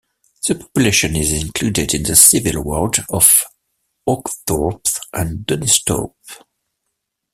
The population is included in the civil ward of Oakthorpe and Donisthorpe.